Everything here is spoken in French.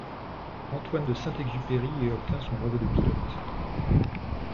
Antoine de Saint-Exupéry y obtient son brevet de pilote.